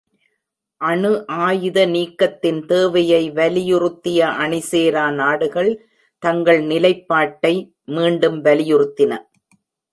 அணு ஆயுத நீக்கத்தின் தேவையை வலியுறுத்திய அணிசேரா நாடுகள் தங்கள் நிலைப்பாட்டை மீண்டும் வலியுறுத்தின.